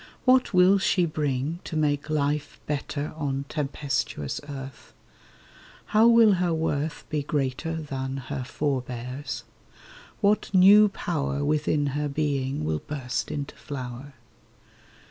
What will she bring To make life better on tempestuous earth? How will her worth Be greater than her forbears? What new power Within her being will burst into flower?